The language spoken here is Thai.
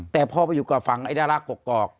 แต่พอไปอยู่กับฝั่งไอ้ดารากอก